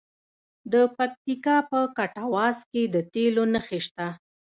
د پکتیکا په کټواز کې د تیلو نښې شته.